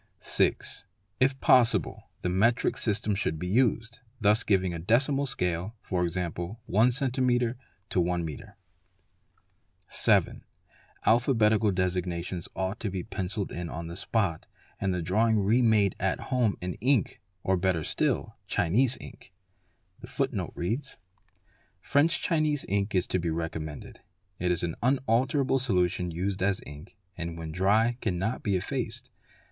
all 6. If possible, the metric system should be used, thus giving decimal scale, e.g., 1 centimetre to 1 metre. 43 7. Alphabetical designations ought to be pencilled in on tia sp and the drawing remade at home in ink or better still Chinese ink *, 7 ea * French Chinese ink is to be recommended. It is an unalterable solution used as in and when dry cannot be effaced.